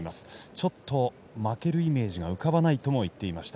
ちょっと負けるイメージが浮かばないとも言っていました。